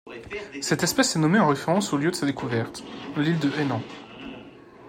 Cette espèce est nommée en référence au lieu de sa découverte, l'île de Hainan.